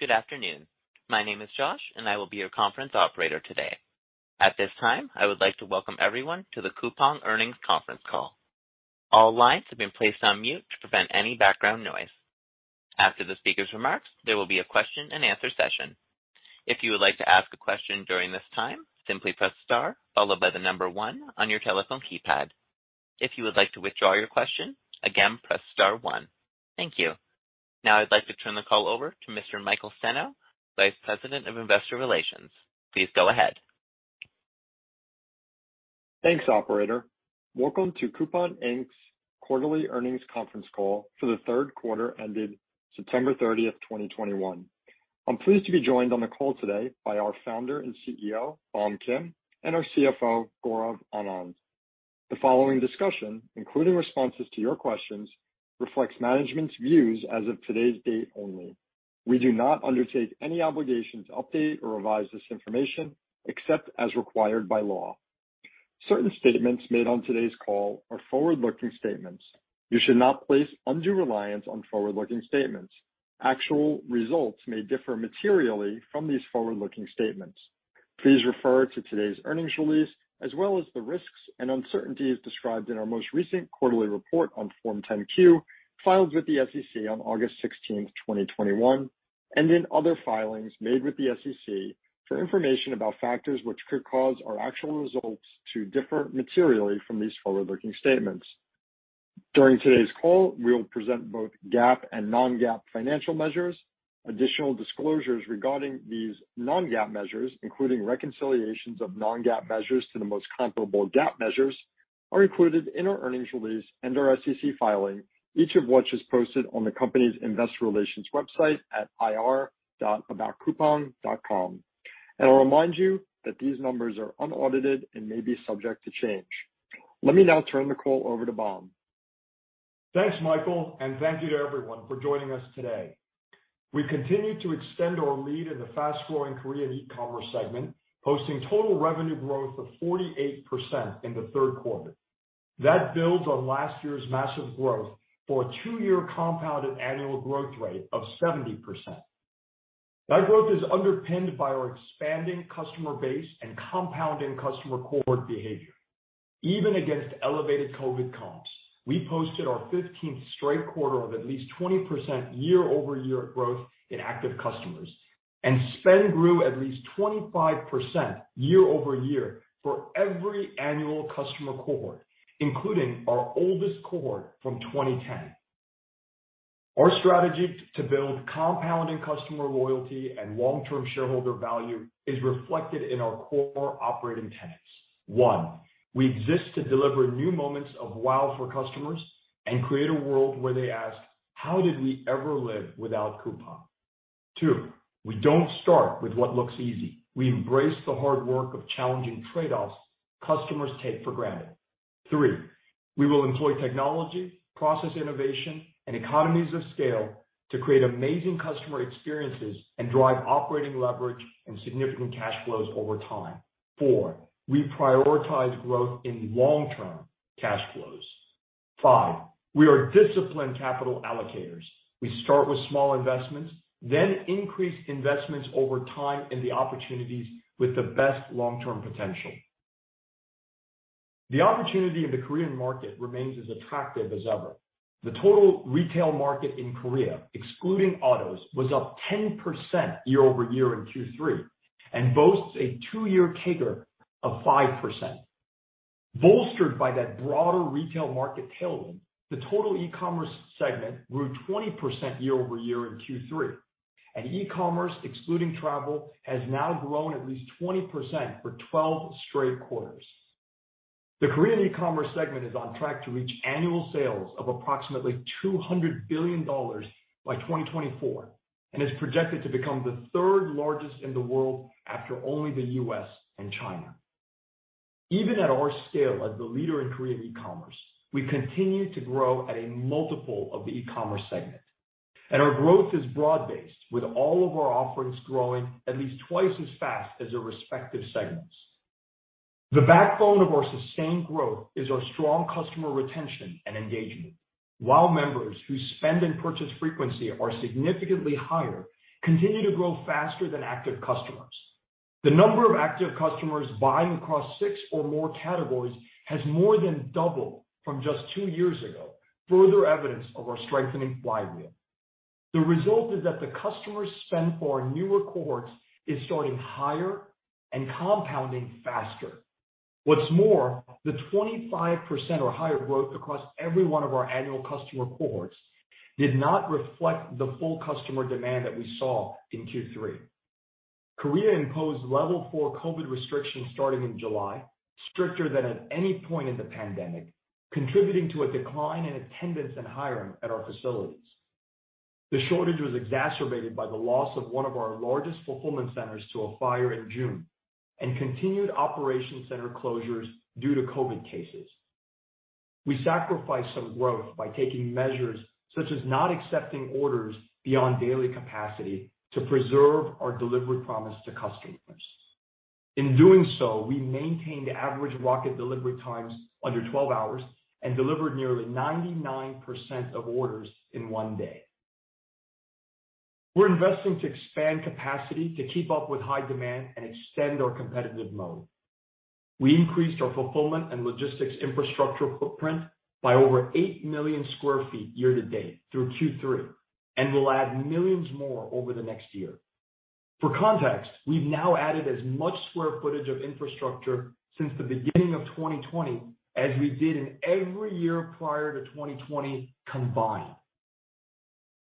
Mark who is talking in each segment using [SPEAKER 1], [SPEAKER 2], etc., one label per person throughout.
[SPEAKER 1] Good afternoon. I will be your conference operator today. At this time, I would like to welcome everyone to the Coupang earnings conference call. All lines have been placed on mute to prevent any background noise. After the speaker's remarks, there will be a question and answer session. If you would like to ask a question during this time, simply press star followed by the number one on your telephone keypad. If you would like to withdraw your question, again, press star one. Thank you. Now I'd like to turn the call over to Mr. Michael Senno, Vice President of Investor Relations. Please go ahead.
[SPEAKER 2] Thanks, operator. Welcome to Coupang, Inc.'s quarterly earnings conference call for the third quarter ended September 30, 2021. I'm pleased to be joined on the call today by our Founder and CEO, Bom Kim, and our CFO, Gaurav Anand. The following discussion, including responses to your questions, reflects management's views as of today's date only. We do not undertake any obligation to update or revise this information except as required by law. Certain statements made on today's call are forward-looking statements. You should not place undue reliance on forward-looking statements. Actual results may differ materially from these forward-looking statements. Please refer to today's earnings release, as well as the risks and uncertainties described in our most recent quarterly report on Form 10-Q filed with the SEC on August 16th, 2021, and in other filings made with the SEC for information about factors which could cause our actual results to differ materially from these forward-looking statements. During today's call, we'll present both GAAP and non-GAAP financial measures. Additional disclosures regarding these non-GAAP measures, including reconciliations of non-GAAP measures to the most comparable GAAP measures, are included in our earnings release and our SEC filing, each of which is posted on the company's investor relations website at ir.aboutcoupang.com. I'll remind you that these numbers are unaudited and may be subject to change. Let me now turn the call over to Bom.
[SPEAKER 3] Thanks, Michael, and thank you to everyone for joining us today. We continue to extend our lead in the fast-growing Korean e-commerce segment, posting total revenue growth of 48% in the third quarter. That builds on last year's massive growth for a two-year compounded annual growth rate of 70%. That growth is underpinned by our expanding customer base and compounding customer cohort behavior. Even against elevated COVID comps, we posted our 15th straight quarter of at least 20% YoY growth in active customers, and spend grew at least 25% YoY for every annual customer cohort, including our oldest cohort from 2010. Our strategy to build compounding customer loyalty and long-term shareholder value is reflected in our core operating tenets. One, we exist to deliver new moments of wow for customers and create a world where they ask, "How did we ever live without Coupang?" Two, we don't start with what looks easy. We embrace the hard work of challenging trade-offs customers take for granted. Three, we will employ technology, process innovation, and economies of scale to create amazing customer experiences and drive operating leverage and significant cash flows over time. Four, we prioritize growth in long-term cash flows. Five, we are disciplined capital allocators. We start with small investments, then increase investments over time in the opportunities with the best long-term potential. The opportunity in the Korean market remains as attractive as ever. The total retail market in Korea, excluding autos, was up 10% YoY in Q3 and boasts a two-year CAGR of 5%. Bolstered by that broader retail market tailwind, the total e-commerce segment grew 20% YoY in Q3, and e-commerce, excluding travel, has now grown at least 20% for 12 straight quarters. The Korean e-commerce segment is on track to reach annual sales of approximately $200 billion by 2024 and is projected to become the third largest in the world after only the U.S. and China. Even at our scale as the leader in Korean e-commerce, we continue to grow at a multiple of the e-commerce segment, and our growth is broad-based, with all of our offerings growing at least twice as fast as their respective segments. The backbone of our sustained growth is our strong customer retention and engagement. While members' spend and purchase frequency are significantly higher, continue to grow faster than active customers. The number of active customers buying across six or more categories has more than doubled from just two years ago, further evidence of our strengthening flywheel. The result is that the customer spend for our newer cohorts is starting higher and compounding faster. What's more, the 25% or higher growth across every one of our annual customer cohorts did not reflect the full customer demand that we saw in Q3. Korea imposed level four COVID restrictions starting in July, stricter than at any point in the pandemic, contributing to a decline in attendance and hiring at our facilities. The shortage was exacerbated by the loss of one of our largest fulfillment centers to a fire in June and continued operation center closures due to COVID cases. We sacrificed some growth by taking measures, such as not accepting orders beyond daily capacity, to preserve our delivery promise to customers. In doing so, we maintained average Rocket delivery times under 12 hours and delivered nearly 99% of orders in one-day. We're investing to expand capacity to keep up with high demand and extend our competitive moat. We increased our fulfillment and logistics infrastructure footprint by over 8 million sq ft year to date through Q3, and will add millions more over the next year. For context, we've now added as much square footage of infrastructure since the beginning of 2020 as we did in every year prior to 2020 combined.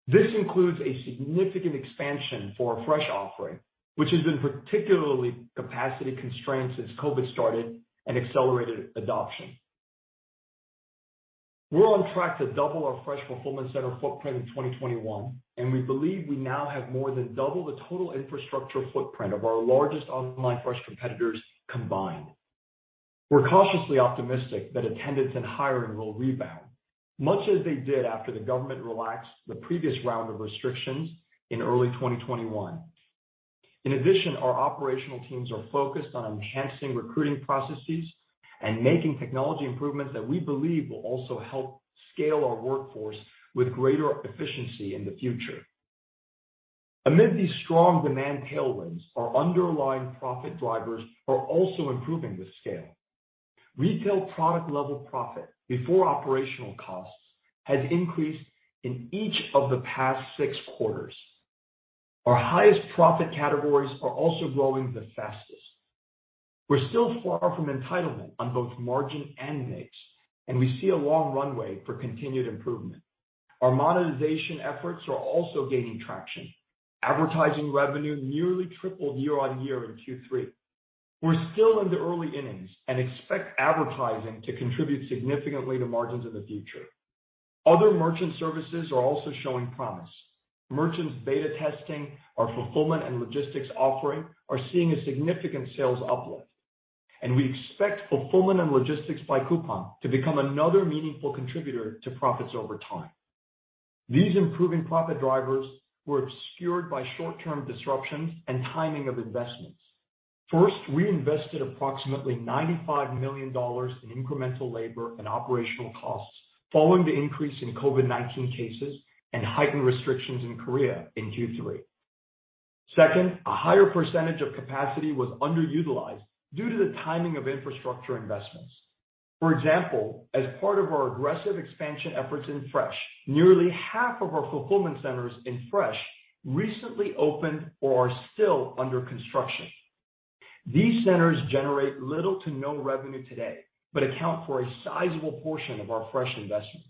[SPEAKER 3] This includes a significant expansion for our Fresh offering, which has been particularly capacity constrained since COVID started and accelerated adoption. We're on track to double our Fresh fulfillment center footprint in 2021, and we believe we now have more than double the total infrastructure footprint of our largest online Fresh competitors combined. We're cautiously optimistic that attendance and hiring will rebound, much as they did after the government relaxed the previous round of restrictions in early 2021. In addition, our operational teams are focused on enhancing recruiting processes and making technology improvements that we believe will also help scale our workforce with greater efficiency in the future. Amid these strong demand tailwinds, our underlying profit drivers are also improving at scale. Retail product level profit before operational costs has increased in each of the past six quarters. Our highest profit categories are also growing the fastest. We're still far from entitlement on both margin and mix, and we see a long runway for continued improvement. Our monetization efforts are also gaining traction. Advertising revenue nearly tripled YoY in Q3. We're still in the early innings and expect advertising to contribute significantly to margins in the future. Other merchant services are also showing promise. Merchants beta testing our Fulfillment and Logistics by Coupang offering are seeing a significant sales uplift, and we expect Fulfillment and Logistics by Coupang to become another meaningful contributor to profits over time. These improving profit drivers were obscured by short-term disruptions and timing of investments. First, we invested approximately $95 million in incremental labor and operational costs following the increase in COVID-19 cases and heightened restrictions in Korea in Q3. Second, a higher percentage of capacity was underutilized due to the timing of infrastructure investments. For example, as part of our aggressive expansion efforts in Fresh, nearly half of our fulfillment centers in Fresh recently opened or are still under construction. These centers generate little to no revenue today, but account for a sizable portion of our Fresh investments.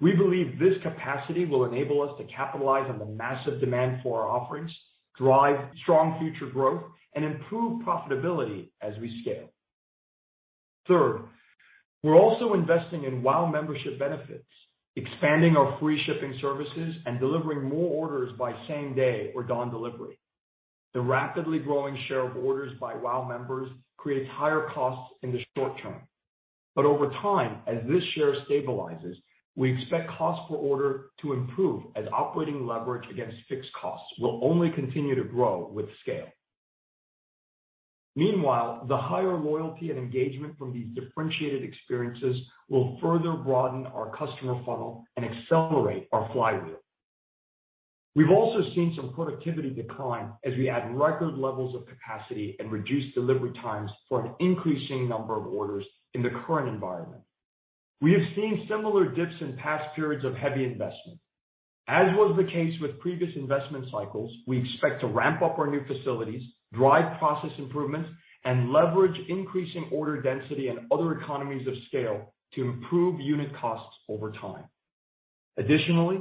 [SPEAKER 3] We believe this capacity will enable us to capitalize on the massive demand for our offerings, drive strong future growth, and improve profitability as we scale. Third, we're also investing in Wow membership benefits, expanding our free shipping services, and delivering more orders by same day or dawn delivery. The rapidly growing share of orders by Wow members creates higher costs in the short term. Over time, as this share stabilizes, we expect cost per order to improve as operating leverage against fixed costs will only continue to grow with scale. Meanwhile, the higher loyalty and engagement from these differentiated experiences will further broaden our customer funnel and accelerate our flywheel. We've also seen some productivity decline as we add record levels of capacity and reduce delivery times for an increasing number of orders in the current environment. We have seen similar dips in past periods of heavy investment. As was the case with previous investment cycles, we expect to ramp up our new facilities, drive process improvements, and leverage increasing order density and other economies of scale to improve unit costs over time. Additionally,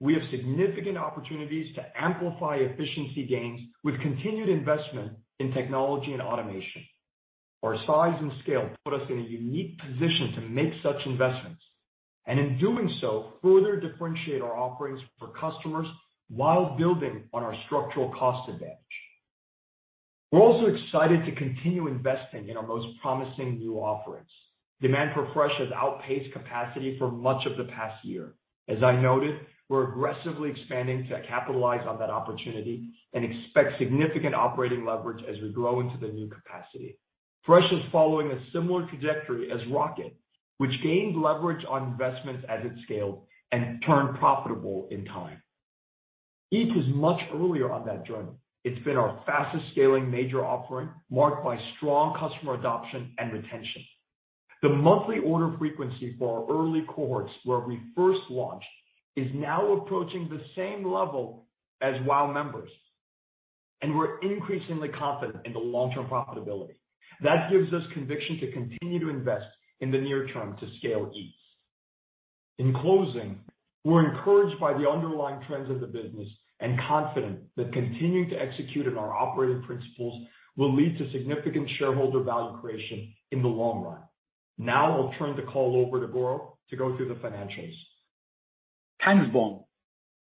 [SPEAKER 3] we have significant opportunities to amplify efficiency gains with continued investment in technology and automation. Our size and scale put us in a unique position to make such investments, and in doing so, further differentiate our offerings for customers while building on our structural cost advantage. We're also excited to continue investing in our most promising new offerings. Demand for Fresh has outpaced capacity for much of the past year. As I noted, we're aggressively expanding to capitalize on that opportunity and expect significant operating leverage as we grow into the new capacity. Fresh is following a similar trajectory as Rocket, which gained leverage on investments as it scaled and turned profitable in time. Eats is much earlier on that journey. It's been our fastest scaling major offering, marked by strong customer adoption and retention. The monthly order frequency for our early cohorts where we first launched is now approaching the same level as Wow members, and we're increasingly confident in the long-term profitability. That gives us conviction to continue to invest in the near term to scale Eats. In closing, we're encouraged by the underlying trends of the business and confident that continuing to execute on our operating principles will lead to significant shareholder value creation in the long run. Now I'll turn the call over to Gaurav to go through the financials.
[SPEAKER 4] Thanks, Bom.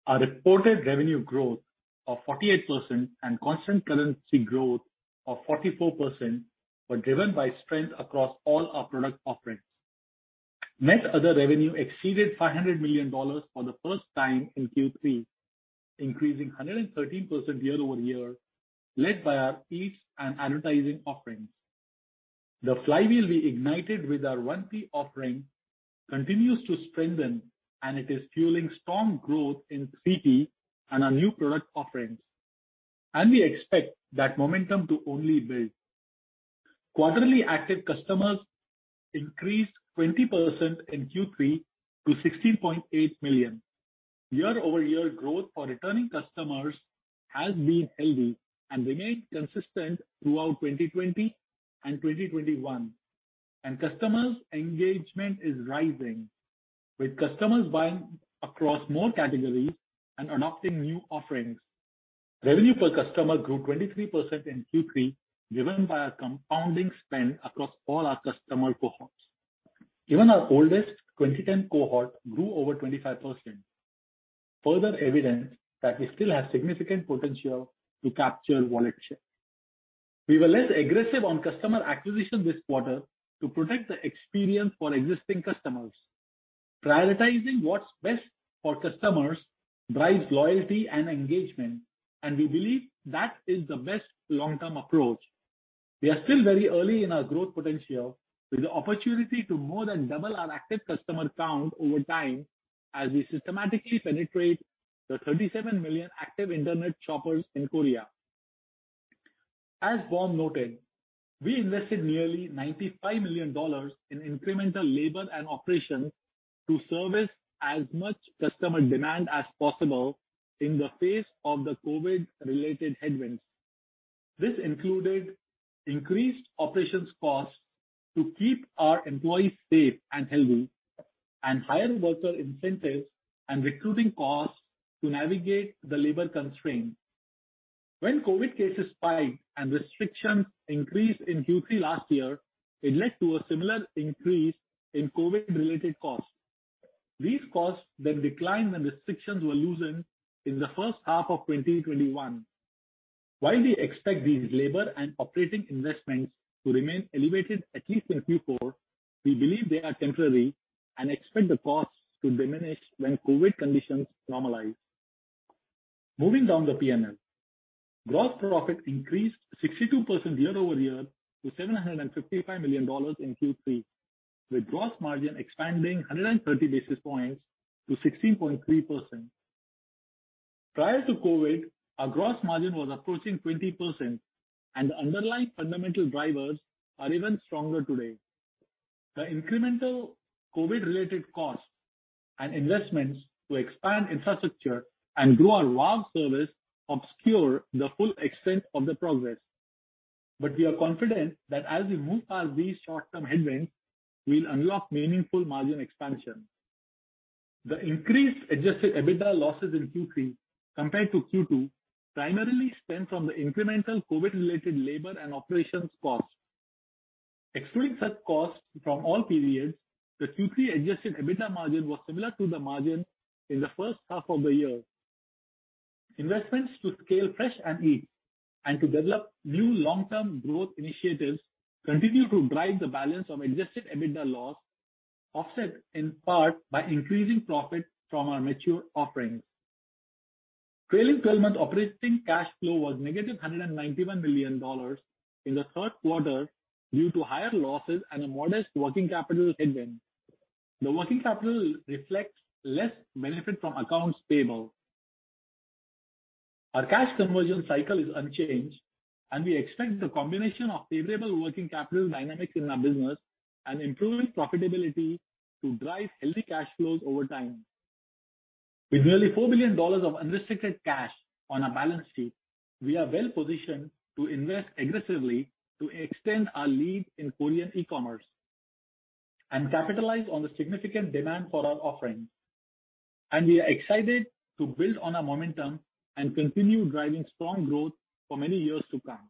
[SPEAKER 4] Our reported revenue growth of 48% and constant currency growth of 44% were driven by strength across all our product offerings. Net other revenue exceeded $500 million for the first time in Q3, increasing 113% YoY, led by our Eats and advertising offerings. The flywheel we ignited with our 1P offering continues to strengthen, and it is fueling strong growth in 3P and our new product offerings. We expect that momentum to only build. Quarterly active customers increased 20% in Q3 to 16.8 million. YoY growth for returning customers has been healthy and remained consistent throughout 2020 and 2021. Customers' engagement is rising, with customers buying across more categories and adopting new offerings. Revenue per customer grew 23% in Q3, driven by our compounding spend across all our customer cohorts. Even our oldest 2010 cohort grew over 25%, further evidence that we still have significant potential to capture wallet share. We were less aggressive on customer acquisition this quarter to protect the experience for existing customers. Prioritizing what's best for customers drives loyalty and engagement, and we believe that is the best long-term approach. We are still very early in our growth potential, with the opportunity to more than double our active customer count over time as we systematically penetrate the 37 million active Internet shoppers in Korea. As Bom noted, we invested nearly $95 million in incremental labor and operations to service as much customer demand as possible in the face of the COVID-related headwinds. This included increased operations costs to keep our employees safe and healthy, and higher worker incentives and recruiting costs to navigate the labor constraints. When COVID cases spiked and restrictions increased in Q3 last year, it led to a similar increase in COVID-related costs. These costs then declined when restrictions were loosened in the first half of 2021. While we expect these labor and operating investments to remain elevated at least in Q4, we believe they are temporary and expect the costs to diminish when COVID conditions normalize. Moving down the PNL. Gross profit increased 62% YoY to $755 million in Q3, with gross margin expanding 130 basis points to 16.3%. Prior to COVID, our gross margin was approaching 20%, and the underlying fundamental drivers are even stronger today. The incremental COVID-related costs and investments to expand infrastructure and grow our logistics service obscure the full extent of the progress. We are confident that as we move past these short-term headwinds, we'll unlock meaningful margin expansion. The increased adjusted EBITDA losses in Q3 compared to Q2 primarily spent on the incremental COVID-related labor and operations costs. Excluding such costs from all periods, the Q3 adjusted EBITDA margin was similar to the margin in the first half of the year. Investments to scale Fresh and Eat and to develop new long-term growth initiatives continue to drive the balance of adjusted EBITDA loss, offset in part by increasing profit from our mature offerings. Trailing twelve-month operating cash flow was negative $191 million in the third quarter due to higher losses and a modest working capital headwind. The working capital reflects less benefit from accounts payable. Our cash conversion cycle is unchanged, and we expect the combination of favorable working capital dynamics in our business and improving profitability to drive healthy cash flows over time. With nearly $4 billion of unrestricted cash on our balance sheet, we are well positioned to invest aggressively to extend our lead in Korean e-commerce and capitalize on the significant demand for our offerings. We are excited to build on our momentum and continue driving strong growth for many years to come.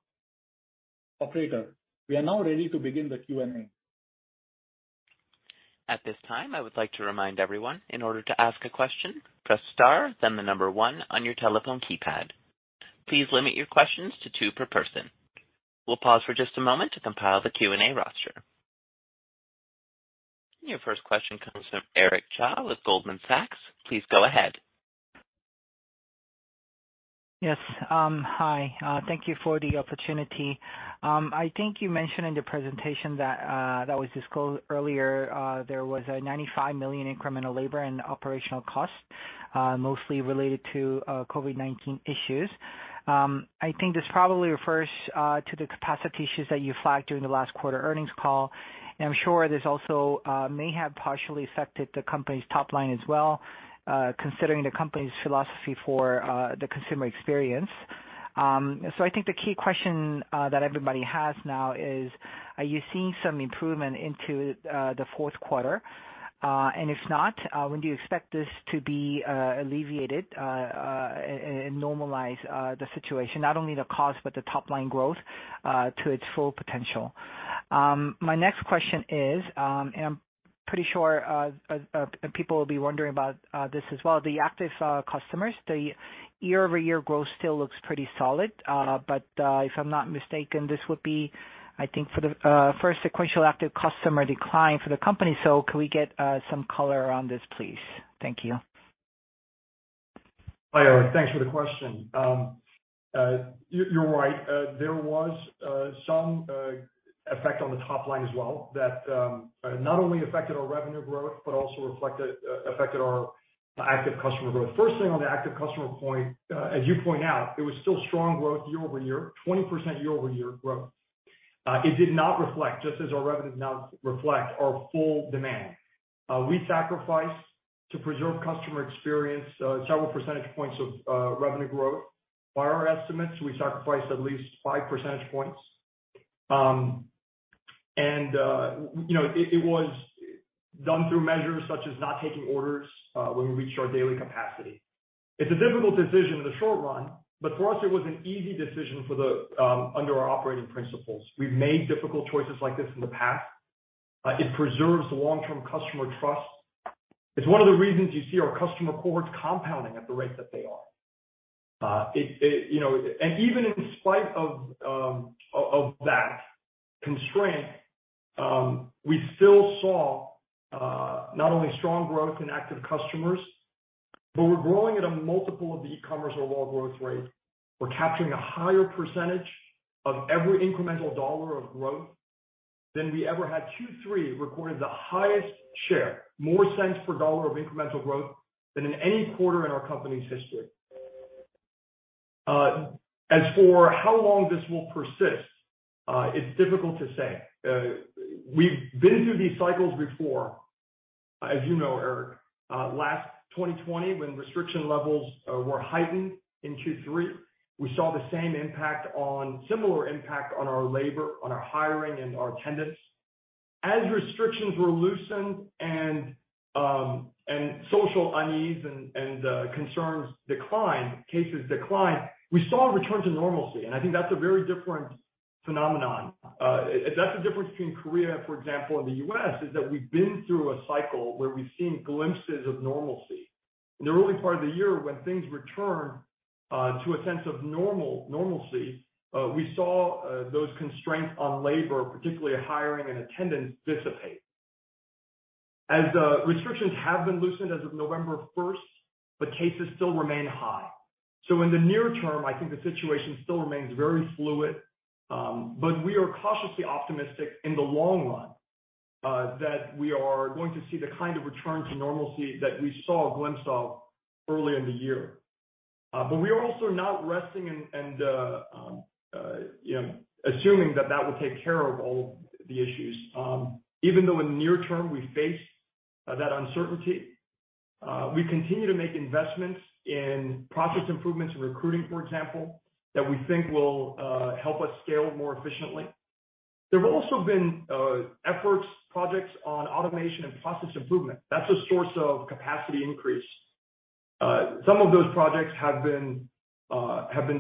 [SPEAKER 4] Operator, we are now ready to begin the Q&A.
[SPEAKER 1] At this time, I would like to remind everyone, in order to ask a question, press star then one on your telephone keypad. Please limit your questions to two per person. We'll pause for just a moment to compile the Q&A roster. Your first question comes from Eric Cha with Goldman Sachs. Please go ahead.
[SPEAKER 5] Yes, hi. Thank you for the opportunity. I think you mentioned in the presentation that that was disclosed earlier, there was $95 million incremental labor and operational costs, mostly related to COVID-19 issues. I think this probably refers to the capacity issues that you flagged during the last quarter earnings call. I'm sure this also may have partially affected the company's top line as well, considering the company's philosophy for the consumer experience. I think the key question that everybody has now is, are you seeing some improvement into the fourth quarter? And if not, when do you expect this to be alleviated and normalize the situation, not only the cost, but the top-line growth to its full potential? My next question is, and I'm pretty sure people will be wondering about this as well. The active customers, the YoY growth still looks pretty solid. If I'm not mistaken, this would be, I think, for the first sequential active customer decline for the company. Can we get some color around this, please? Thank you.
[SPEAKER 3] Hi, Eric. Thanks for the question. You're right. There was some effect on the top line as well that not only affected our revenue growth, but also affected our active customer growth. First thing on the active customer point, as you point out, it was still strong growth YoY, 20% YoY growth. It did not reflect, just as our revenues do not reflect our full demand. We sacrificed to preserve customer experience several percentage points of revenue growth. By our estimates, we sacrificed at least five percentage points. You know, it was done through measures such as not taking orders when we reached our daily capacity. It's a difficult decision in the short run, but for us it was an easy decision under our operating principles. We've made difficult choices like this in the past. It preserves the long-term customer trust. It's one of the reasons you see our customer cohorts compounding at the rate that they are. It, you know, even in spite of that constraint, we still saw not only strong growth in active customers, but we're growing at a multiple of the e-commerce overall growth rate. We're capturing a higher percentage of every incremental dollar of growth than we ever had. Q3 recorded the highest share, more cents per dollar of incremental growth than in any quarter in our company's history. As for how long this will persist, it's difficult to say. We've been through these cycles before, as you know, Eric. In 2020 when restriction levels were heightened in Q3, we saw similar impact on our labor, on our hiring, and our attendance. As restrictions were loosened and social unease and concerns declined, cases declined, we saw a return to normalcy, and I think that's a very different phenomenon. That's the difference between Korea, for example, and the U.S., is that we've been through a cycle where we've seen glimpses of normalcy. In the early part of the year when things returned to a sense of normalcy, we saw those constraints on labor, particularly hiring and attendance, dissipate. As the restrictions have been loosened as of November 1st, but cases still remain high. In the near term, I think the situation still remains very fluid, but we are cautiously optimistic in the long run that we are going to see the kind of return to normalcy that we saw a glimpse of early in the year. We are also not resting and you know assuming that that will take care of all the issues. Even though in the near term we face that uncertainty, we continue to make investments in process improvements in recruiting, for example, that we think will help us scale more efficiently. There have also been efforts, projects on automation and process improvement. That's a source of capacity increase. Some of those projects have been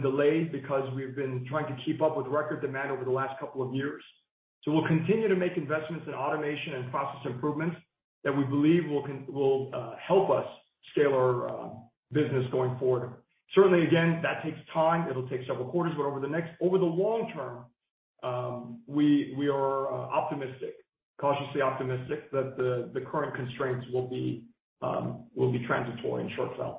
[SPEAKER 3] delayed because we've been trying to keep up with record demand over the last couple of years. We'll continue to make investments in automation and process improvements that we believe will help us scale our business going forward. Certainly, again, that takes time. It'll take several quarters, but over the long term, we are optimistic, cautiously optimistic that the current constraints will be transitory and short-lived.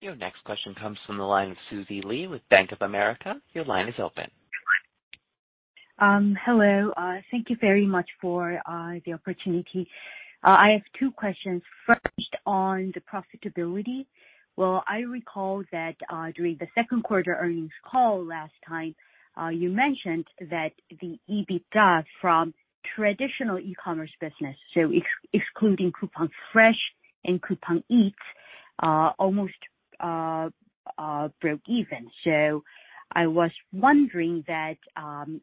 [SPEAKER 1] Your next question comes from the line of Seyon Park with Bank Morgan Stanley. Your line is open.
[SPEAKER 6] Hello. Thank you very much for the opportunity. I have two questions. First, on the profitability. Well, I recall that during the second quarter earnings call last time, you mentioned that the EBITDA from traditional e-commerce business, so excluding Coupang Fresh and Coupang Eats, almost broke even. I was wondering that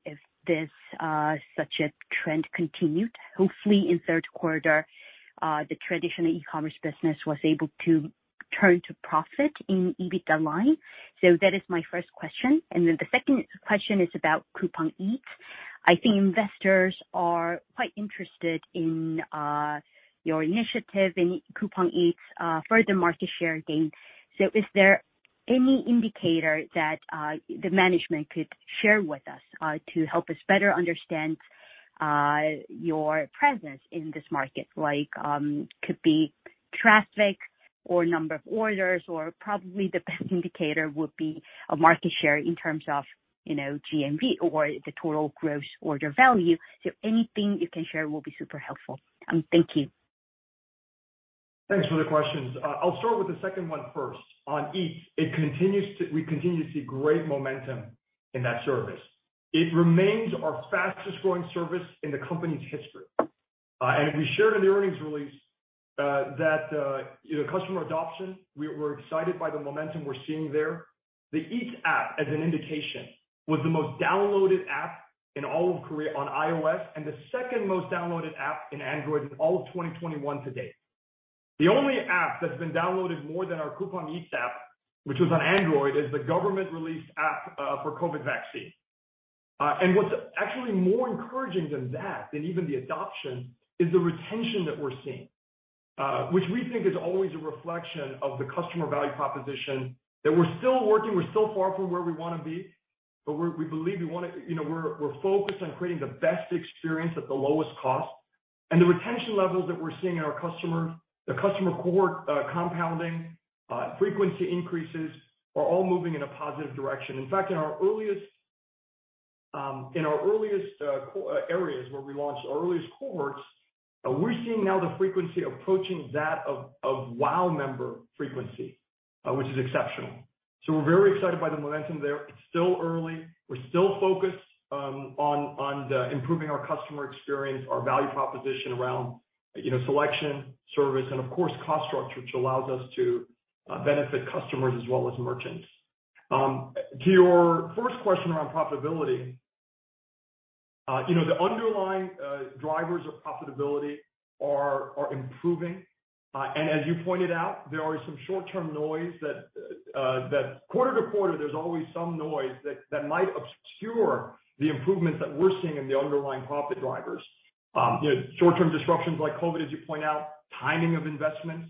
[SPEAKER 6] if this such a trend continued, hopefully in third quarter, the traditional e-commerce business was able to turn to profit in EBITDA line. That is my first question. The second question is about Coupang Eats. I think investors are quite interested in your initiative in Coupang Eats, further market share gain. Is there any indicator that the management could share with us to help us better understand your presence in this market? Like, could be traffic or number of orders, or probably the best indicator would be a market share in terms of, you know, GMV or the total gross order value. Anything you can share will be super helpful. Thank you.
[SPEAKER 3] Thanks for the questions. I'll start with the second one first. On Eats, we continue to see great momentum in that service. It remains our fastest growing service in the company's history. We shared in the earnings release that, you know, customer adoption. We're excited by the momentum we're seeing there. The Eats app, as an indication, was the most downloaded app in all of Korea on iOS, and the second most downloaded app in Android in all of 2021 to date. The only app that's been downloaded more than our Coupang Eats app, which was on Android, is the government-released app for COVID vaccine. What's actually more encouraging than that, than even the adoption, is the retention that we're seeing, which we think is always a reflection of the customer value proposition that we're still working, we're still far from where we wanna be. We believe we wanna, you know, we're focused on creating the best experience at the lowest cost. The retention levels that we're seeing in our customer, the customer cohort, compounding frequency increases are all moving in a positive direction. In fact, in our earliest areas where we launched our earliest cohorts, we're seeing now the frequency approaching that of WOW member frequency, which is exceptional. We're very excited by the momentum there. It's still early. We're still focused on improving our customer experience, our value proposition around, you know, selection, service, and of course cost structure, which allows us to benefit customers as well as merchants. To your first question around profitability, you know, the underlying drivers of profitability are improving. As you pointed out, there are some short-term noise that quarter to quarter there's always some noise that might obscure the improvements that we're seeing in the underlying profit drivers. You know, short-term disruptions like COVID, as you point out, timing of investments.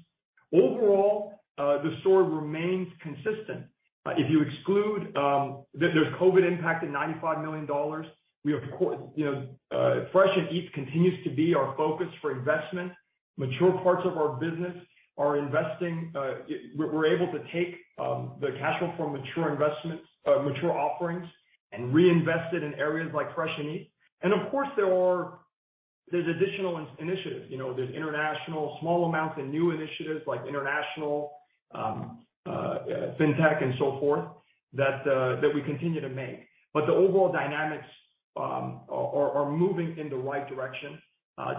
[SPEAKER 3] Overall, the story remains consistent. If you exclude, the COVID impact of $95 million. We have, you know, Rocket Fresh and Coupang Eats continues to be our focus for investment. Mature parts of our business are investing. We're able to take the cash flow from mature investments, mature offerings, and reinvest it in areas like Fresh and Eats. Of course there's additional initiatives. You know, there's international small amounts and new initiatives like international, FinTech and so forth that we continue to make. The overall dynamics are moving in the right direction.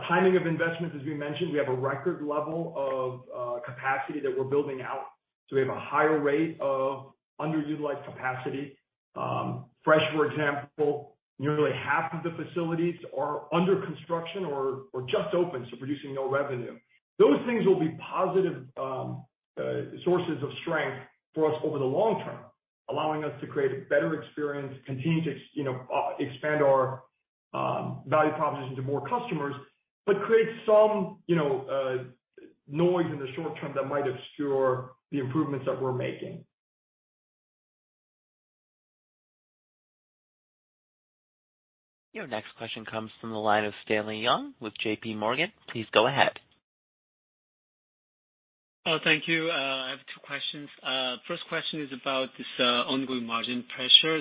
[SPEAKER 3] Timing of investments as we mentioned, we have a record level of capacity that we're building out. We have a higher rate of underutilized capacity. Fresh for example, nearly half of the facilities are under construction or just open, so producing no revenue. Those things will be positive sources of strength for us over the long term, allowing us to create a better experience, continue to, you know, expand our value proposition to more customers, but create some, you know, noise in the short term that might obscure the improvements that we're making.
[SPEAKER 1] Your next question comes from the line of Stanley Yang with JP Morgan. Please go ahead.
[SPEAKER 7] Oh, thank you. I have two questions. First question is about this ongoing margin pressure.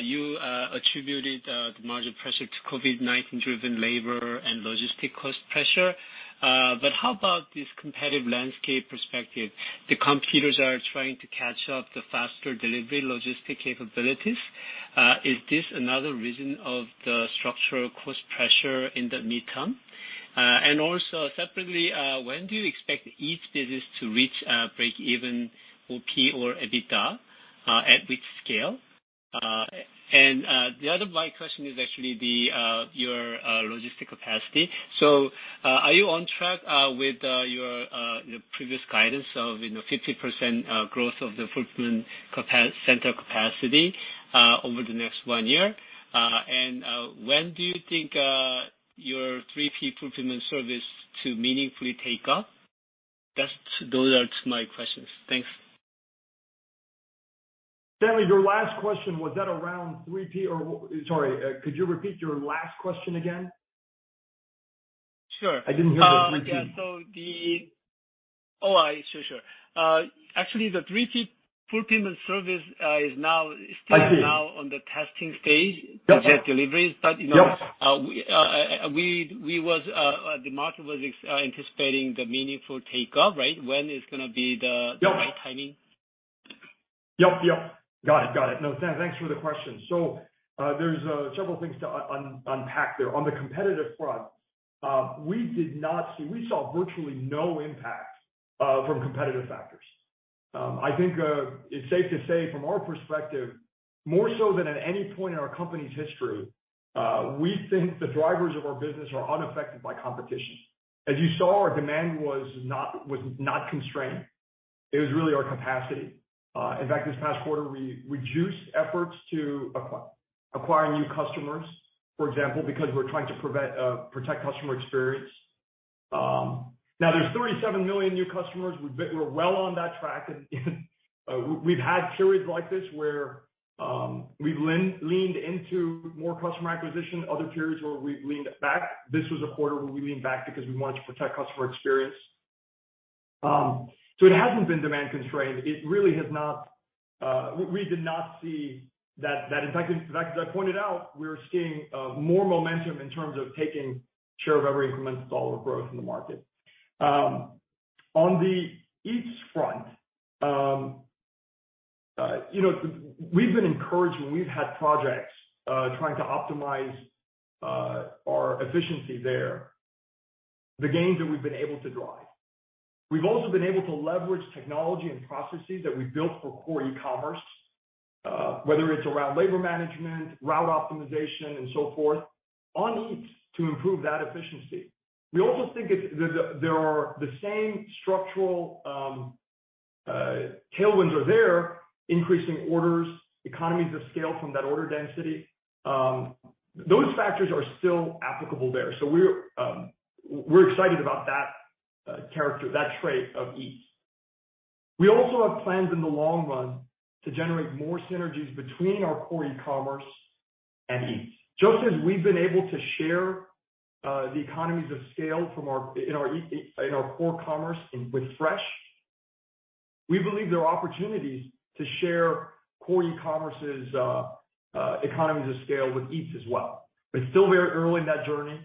[SPEAKER 7] You attributed the margin pressure to COVID-19 driven labor and logistic cost pressure. But how about this competitive landscape perspective? The competitors are trying to catch up the faster delivery logistic capabilities. Is this another reason of the structural cost pressure in the midterm? And also separately, when do you expect each business to reach breakeven OP or EBITDA at which scale? And the other my question is actually the your logistic capacity. Are you on track with your previous guidance of, you know, 50% growth of the fulfillment center capacity over the next one year? When do you think your 3P fulfillment service to meaningfully take off? Those are my questions. Thanks.
[SPEAKER 3] Stanley, your last question, was that around 3P or? Sorry, could you repeat your last question again?
[SPEAKER 7] Sure.
[SPEAKER 3] I didn't hear the 3P.
[SPEAKER 7] Actually, the 3P fulfillment service is now-
[SPEAKER 3] I see.
[SPEAKER 7] is now on the testing stage.
[SPEAKER 3] Yep.
[SPEAKER 7] to get deliveries but, you know
[SPEAKER 3] Yep.
[SPEAKER 7] The market was anticipating the meaningful take off, right? When is gonna be the-
[SPEAKER 3] Yep.
[SPEAKER 7] The right timing?
[SPEAKER 3] Yep. Got it. No, Stanley, thanks for the question. There's several things to unpack there. On the competitive front, we saw virtually no impact from competitive factors. I think it's safe to say from our perspective, more so than at any point in our company's history, we think the drivers of our business are unaffected by competition. As you saw, our demand was not constrained. It was really our capacity. In fact, this past quarter we reduced efforts to acquire new customers, for example, because we're trying to protect customer experience. Now there's 37 million new customers. We're well on that track and we've had periods like this where we've leaned into more customer acquisition, other periods where we've leaned back. This was a quarter where we leaned back because we wanted to protect customer experience. It hasn't been demand constrained. It really has not. We did not see that. In fact, as I pointed out, we're seeing more momentum in terms of taking share of every incremental dollar growth in the market. On the Eats front, you know, we've been encouraged when we've had projects trying to optimize our efficiency there, the gains that we've been able to drive. We've also been able to leverage technology and processes that we've built for core e-commerce, whether it's around labor management, route optimization and so forth, on Eats to improve that efficiency. We also think there are the same structural tailwinds there, increasing orders, economies of scale from that order density. Those factors are still applicable there. We're excited about that characteristic, that trait of Eats. We also have plans in the long run to generate more synergies between our core e-commerce and Eats. Just as we've been able to share the economies of scale from our core commerce with Fresh, we believe there are opportunities to share core e-commerce's economies of scale with Eats as well. Still very early in that journey.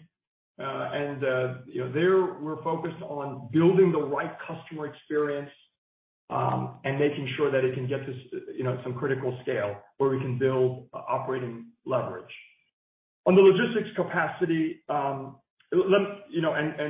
[SPEAKER 3] You know, we're focused on building the right customer experience and making sure that it can get to some critical scale where we can build operating leverage. On the logistics capacity and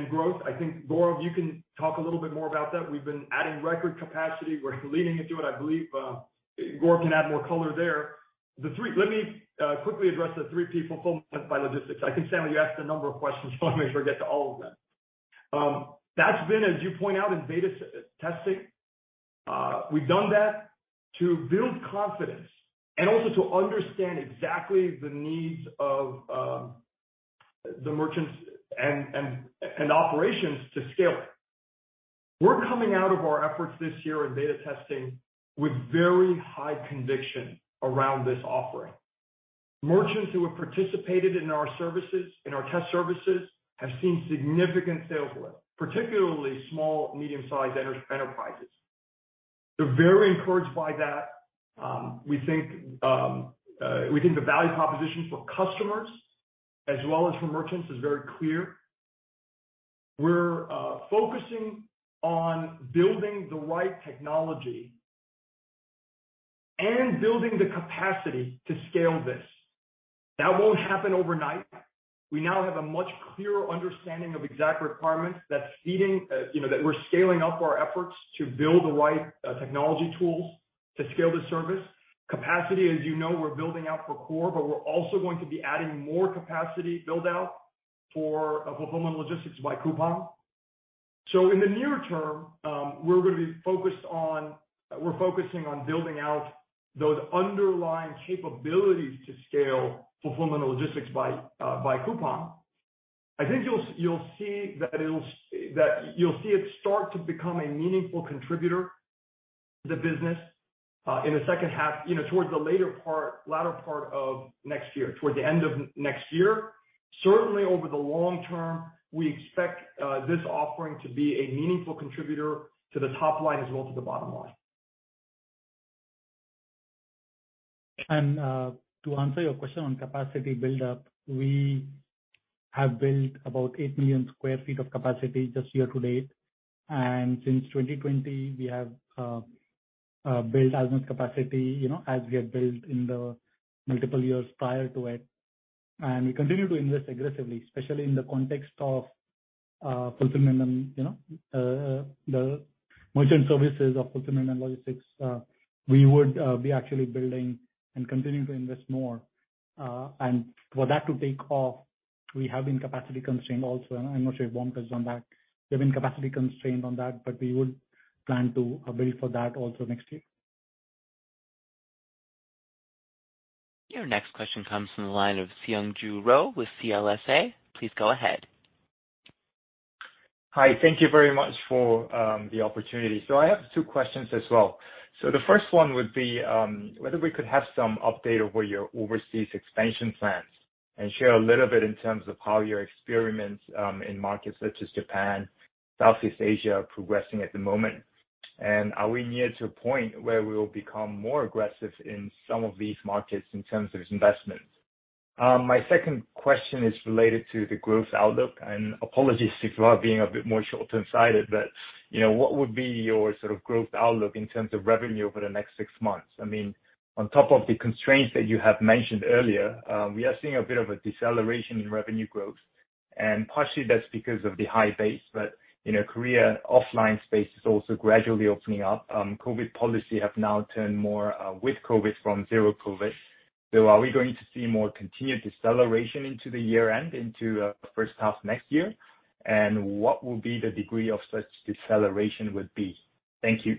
[SPEAKER 3] growth, I think, Gaurav, you can talk a little bit more about that. We've been adding record capacity. We're leaning into it. I believe, Gaurav can add more color there. Let me quickly address the 3P Fulfillment by Logistics. I can see, Stanley, you asked a number of questions, so I wanna make sure I get to all of them. That's been, as you point out, in beta testing. We've done that to build confidence and also to understand exactly the needs of the merchants and operations to scale. We're coming out of our efforts this year in beta testing with very high conviction around this offering. Merchants who have participated in our services, in our test services, have seen significant sales lift, particularly small, medium-sized enterprises. We're very encouraged by that. We think the value proposition for customers as well as for merchants is very clear. We're focusing on building the right technology and building the capacity to scale this. That won't happen overnight. We now have a much clearer understanding of exact requirements that's feeding, you know, that we're scaling up our efforts to build the right technology tools to scale the service. Capacity, as you know, we're building out for core, but we're also going to be adding more capacity build-out for fulfillment logistics by Coupang. In the near term, we're focusing on building out those underlying capabilities to scale fulfillment and logistics by Coupang. I think you'll see it start to become a meaningful contributor to the business in the second half, you know, towards the latter part of next year, towards the end of next year. Certainly over the long term, we expect this offering to be a meaningful contributor to the top line as well to the bottom line.
[SPEAKER 4] To answer your question on capacity buildup, we have built about 8 million sq ft of capacity just year to date. Since 2020, we have built as much capacity, you know, as we have built in the multiple years prior to it. We continue to invest aggressively, especially in the context of fulfillment and, you know, the merchant services of fulfillment and logistics. We would be actually building and continuing to invest more. For that to take off, we have been capacity constrained also. I'm not sure if Bom touched on that. We've been capacity constrained on that, but we would plan to build for that also next year.
[SPEAKER 1] Your next question comes from the line of Seungjoo Ro with CLSA. Please go ahead.
[SPEAKER 8] Hi. Thank you very much for the opportunity. I have two questions as well. The first one would be whether we could have some update over your overseas expansion plans and share a little bit in terms of how your experiments in markets such as Japan, Southeast Asia, are progressing at the moment. Are we near to a point where we will become more aggressive in some of these markets in terms of investment? My second question is related to the growth outlook, and apologies if you are being a bit more short-term sighted, but, you know, what would be your sort of growth outlook in terms of revenue over the next six months? I mean, on top of the constraints that you have mentioned earlier, we are seeing a bit of a deceleration in revenue growth, and partially that's because of the high base. You know, Korea offline space is also gradually opening up. COVID policy have now turned more, with COVID from zero COVID. Are we going to see more continued deceleration into the year-end, into first half next year? What will be the degree of such deceleration would be? Thank you.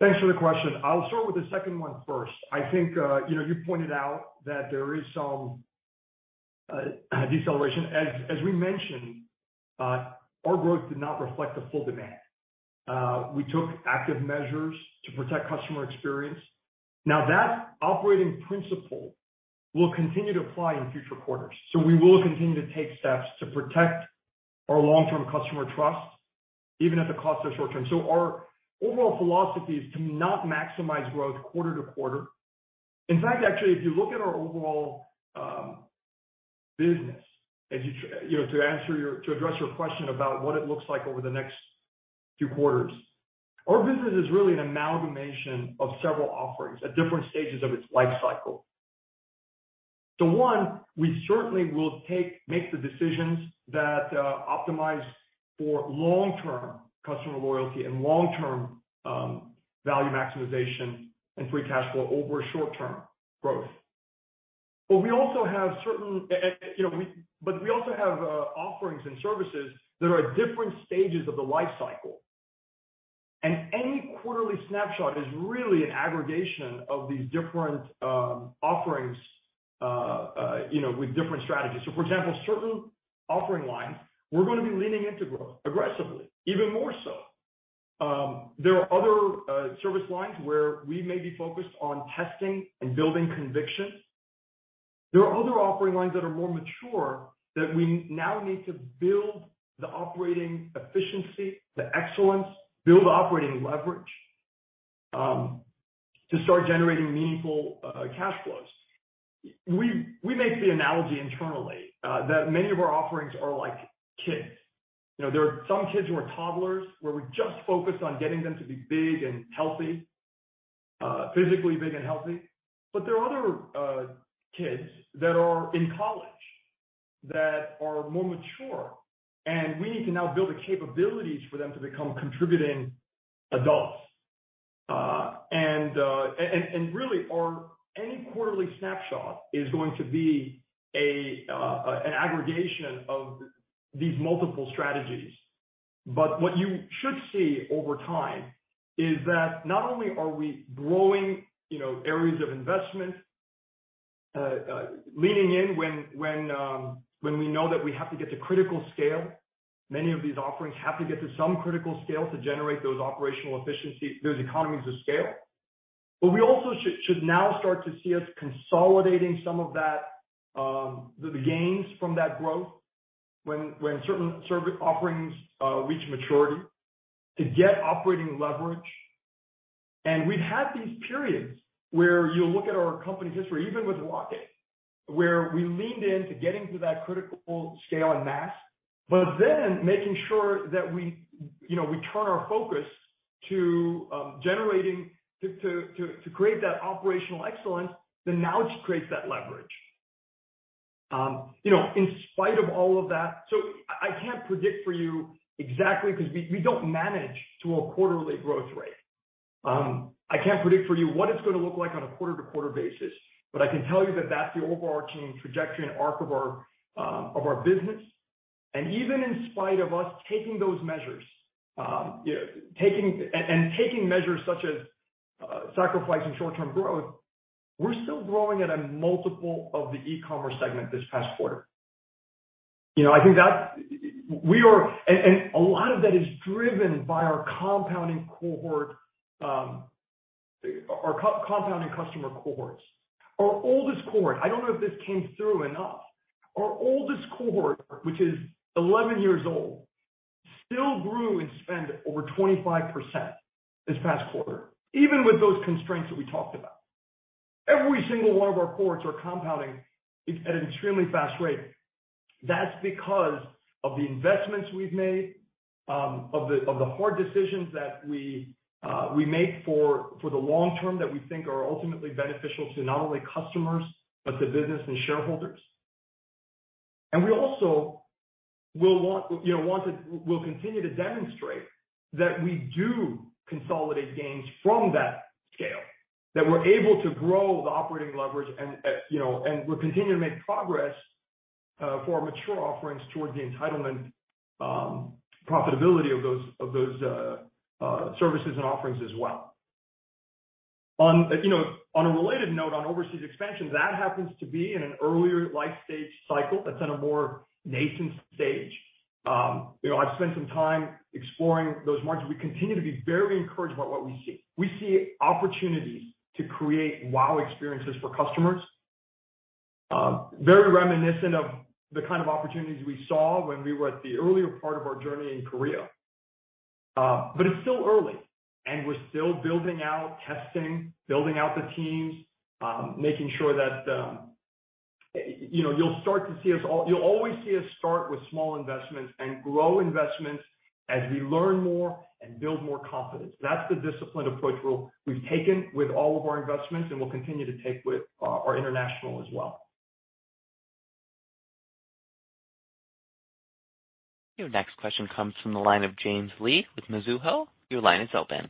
[SPEAKER 3] Thanks for the question. I'll start with the second one first. I think, you know, you pointed out that there is some deceleration. As we mentioned, our growth did not reflect the full demand. We took active measures to protect customer experience. Now, that operating principle will continue to apply in future quarters. We will continue to take steps to protect our long-term customer trust, even at the cost of short-term. Our overall philosophy is to not maximize growth quarter to quarter. In fact, actually, if you look at our overall business, you know, to address your question about what it looks like over the next few quarters, our business is really an amalgamation of several offerings at different stages of its life cycle. One, we certainly will make the decisions that optimize for long-term customer loyalty and long-term value maximization and free cash flow over short-term growth. We also have certain offerings and services that are at different stages of the life cycle. Any quarterly snapshot is really an aggregation of these different offerings, you know, with different strategies. For example, certain offering lines we're gonna be leaning into growth aggressively, even more so. There are other service lines where we may be focused on testing and building conviction. There are other offering lines that are more mature that we now need to build the operating efficiency, the excellence, build operating leverage, to start generating meaningful cash flows. We make the analogy internally that many of our offerings are like kids. You know, there are some kids who are toddlers, where we're just focused on getting them to be big and healthy, physically big and healthy. There are other kids that are in college that are more mature, and we need to now build the capabilities for them to become contributing adults. Really any quarterly snapshot is going to be an aggregation of these multiple strategies. What you should see over time is that not only are we growing, you know, areas of investment, leaning in when we know that we have to get to critical scale, many of these offerings have to get to some critical scale to generate those operational efficiency, those economies of scale. We also should now start to see us consolidating some of the gains from that growth when certain service offerings reach maturity to get operating leverage. We've had these periods where you'll look at our company history, even with Rocket, where we leaned in to getting to that critical scale and mass, but then making sure that we, you know, we turn our focus to generating to create that operational excellence that now creates that leverage. You know, in spite of all of that, I can't predict for you exactly, 'cause we don't manage to a quarterly growth rate. I can't predict for you what it's gonna look like on a quarter-to-quarter basis, but I can tell you that that's the overarching trajectory and arc of our business. Even in spite of us taking those measures, such as sacrificing short-term growth, we're still growing at a multiple of the e-commerce segment this past quarter. You know, I think that's a lot of that is driven by our compounding cohort, our compounding customer cohorts. Our oldest cohort, I don't know if this came through enough, our oldest cohort, which is 11 years old, still grew in spend over 25% this past quarter, even with those constraints that we talked about. Every single one of our cohorts are compounding at an extremely fast rate. That's because of the investments we've made, of the hard decisions that we make for the long term that we think are ultimately beneficial to not only customers, but to business and shareholders. We'll continue to demonstrate that we do consolidate gains from that scale, that we're able to grow the operating leverage and, you know, we're continuing to make progress for our mature offerings towards the entitlement profitability of those services and offerings as well. On a related note on overseas expansion, that happens to be in an earlier life stage cycle that's in a more nascent stage. You know, I've spent some time exploring those markets. We continue to be very encouraged about what we see. We see opportunities to create wow experiences for customers, very reminiscent of the kind of opportunities we saw when we were at the earlier part of our journey in Korea. It's still early and we're still building out, testing the teams, making sure that, you know, you'll always see us start with small investments and grow investments as we learn more and build more confidence. That's the disciplined approach we've taken with all of our investments and we'll continue to take with our international as well.
[SPEAKER 1] Your next question comes from the line of James Lee with Mizuho. Your line is open.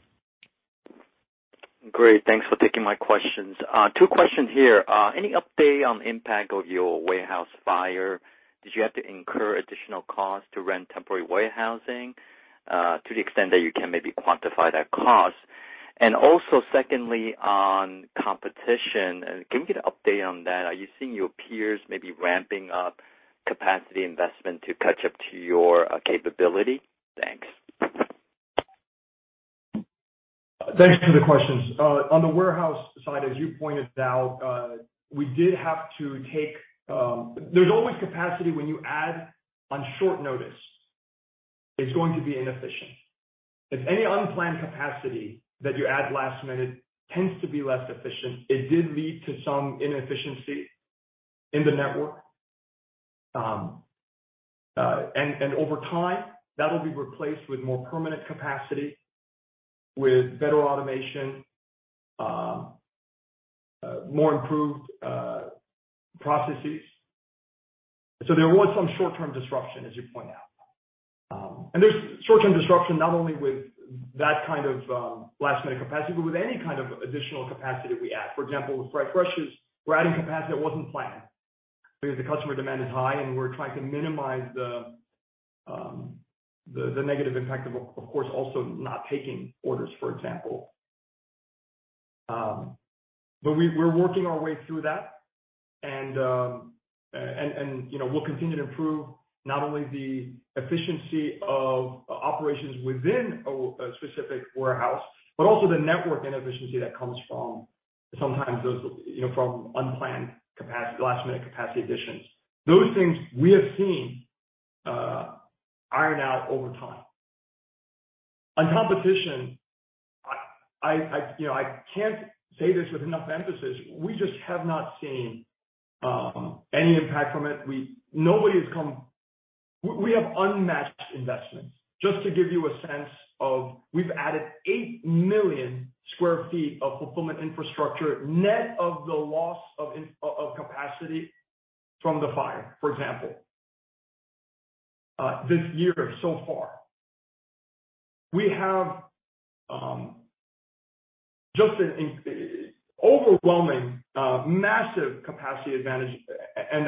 [SPEAKER 9] Great. Thanks for taking my questions. Two questions here. Any update on impact of your warehouse fire? Did you have to incur additional costs to rent temporary warehousing? To the extent that you can maybe quantify that cost. Also secondly, on competition, can we get an update on that? Are you seeing your peers maybe ramping up capacity investment to catch up to your capability? Thanks.
[SPEAKER 3] Thanks for the questions. On the warehouse side, as you pointed out, we did have to take. There's always capacity when you add on short notice, it's going to be inefficient. If any unplanned capacity that you add last minute tends to be less efficient, it did lead to some inefficiency in the network. And over time, that'll be replaced with more permanent capacity, with better automation, more improved processes. There was some short-term disruption, as you point out. And there's short-term disruption not only with that kind of last-minute capacity, but with any kind of additional capacity we add. For example, with Rocket Fresh's, we're adding capacity that wasn't planned. Because the customer demand is high, and we're trying to minimize the negative impact of course also not taking orders, for example. We're working our way through that and, you know, we'll continue to improve not only the efficiency of operations within a specific warehouse, but also the network inefficiency that comes from sometimes those, you know, from unplanned capacity, last-minute capacity additions. Those things we have seen iron out over time. On competition, I, you know, I can't say this with enough emphasis, we just have not seen any impact from it. We have unmatched investments. Just to give you a sense of. We've added 8 million sq ft of fulfillment infrastructure net of the loss of capacity from the fire, for example, this year so far. We have just an overwhelming massive capacity advantage.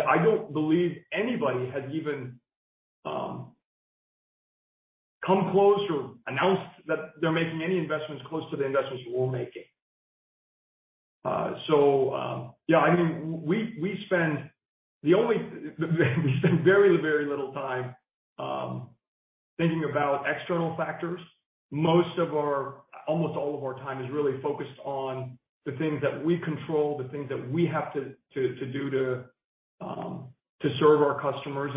[SPEAKER 3] I don't believe anybody has even come close or announced that they're making any investments close to the investments we're making. Yeah, I mean, we spend very, very little time thinking about external factors. Almost all of our time is really focused on the things that we control, the things that we have to do to serve our customers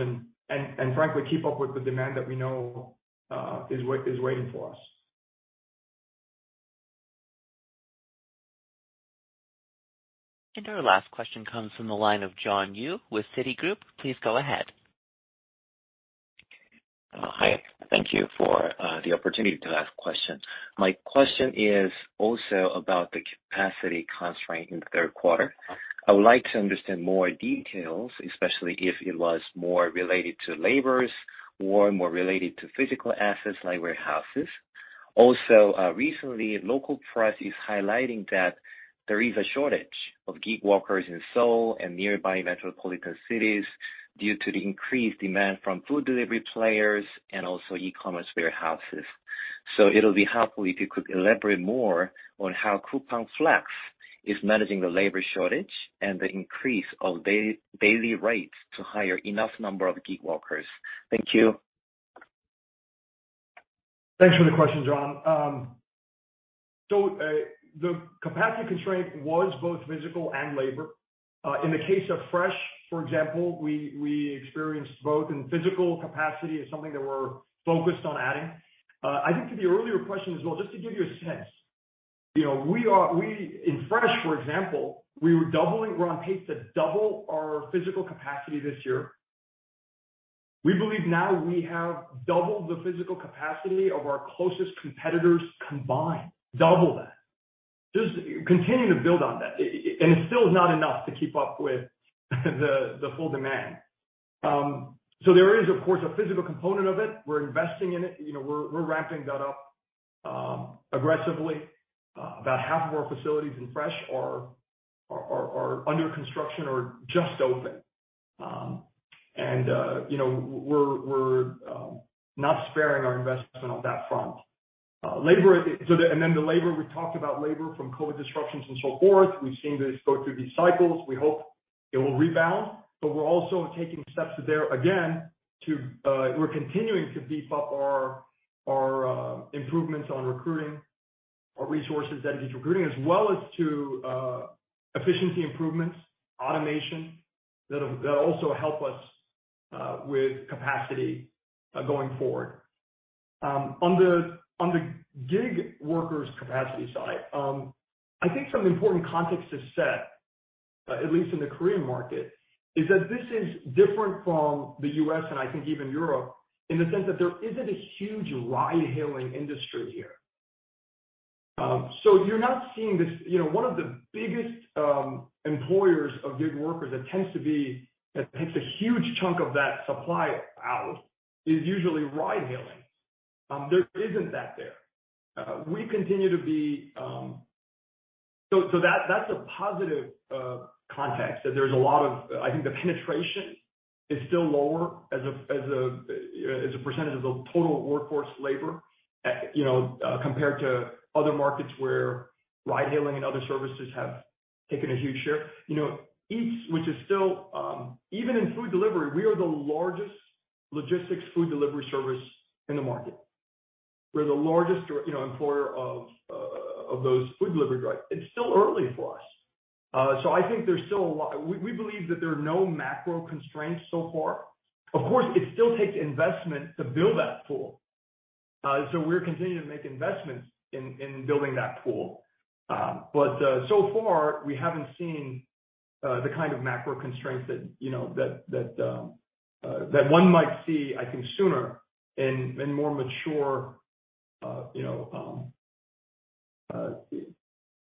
[SPEAKER 3] and frankly, keep up with the demand that we know is waiting for us.
[SPEAKER 1] Our last question comes from the line of John Yu with Citigroup. Please go ahead.
[SPEAKER 10] Hi. Thank you for the opportunity to ask questions. My question is also about the capacity constraint in the third quarter. I would like to understand more details, especially if it was more related to labors or more related to physical assets like warehouses. Also, recently, local press is highlighting that there is a shortage of gig workers in Seoul and nearby metropolitan cities due to the increased demand from food delivery players and also e-commerce warehouses. It'll be helpful if you could elaborate more on how Coupang Flex is managing the labor shortage and the increase of daily rates to hire enough number of gig workers. Thank you.
[SPEAKER 3] Thanks for the question, John. The capacity constraint was both physical and labor. In the case of Fresh, for example, we experienced both in physical capacity as something that we're focused on adding. I think to the earlier question as well, just to give you a sense, you know, in Fresh, for example, we're on pace to double our physical capacity this year. We believe now we have double the physical capacity of our closest competitors combined. Double that. Just continue to build on that. It still is not enough to keep up with the full demand. There is, of course, a physical component of it. We're investing in it. You know, we're ramping that up aggressively. About half of our facilities in Fresh are under construction or just open. You know, we're not sparing our investment on that front. Labor. The labor we talked about from COVID disruptions and so forth. We've seen this go through these cycles. We hope it will rebound, but we're also taking steps there again to beef up our improvements on recruiting, our resources dedicated to recruiting, as well as to efficiency improvements, automation that'll also help us with capacity going forward. On the gig workers capacity side, I think some important context to set, at least in the Korean market, is that this is different from the U.S., and I think even Europe, in the sense that there isn't a huge ride-hailing industry here. So you're not seeing this. You know, one of the biggest employers of gig workers that tends to be that takes a huge chunk of that supply out is usually ride-hailing. There isn't that here. We continue to be so that's a positive context that there's a lot of. I think the penetration is still lower as a percentage of the total workforce labor, you know, compared to other markets where ride-hailing and other services have taken a huge share. You know, which is still even in food delivery, we are the largest logistics food delivery service in the market. We're the largest, you know, employer of those food delivery drivers. It's still early for us. I think there's still a lot. We believe that there are no macro constraints so far. Of course, it still takes investment to build that pool. We're continuing to make investments in building that pool. So far we haven't seen the kind of macro constraints that you know that one might see, I think sooner in more mature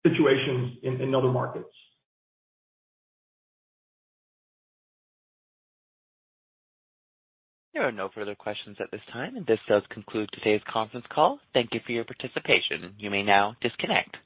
[SPEAKER 3] situations in other markets.
[SPEAKER 1] There are no further questions at this time. This does conclude today's conference call. Thank you for your participation. You may now disconnect.